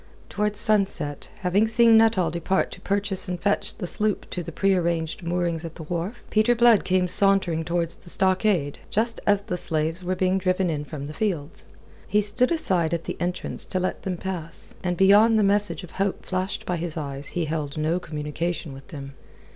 Towards sunset, having seen Nuttall depart to purchase and fetch the sloop to the prearranged moorings at the wharf, Peter Blood came sauntering towards the stockade, just as the slaves were being driven in from the fields. He stood aside at the entrance to let them pass, and beyond the message of hope flashed by his eyes, he held no communication with them.